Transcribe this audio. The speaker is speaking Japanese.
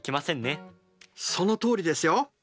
そのとおりですよ！